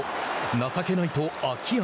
情けないと秋山。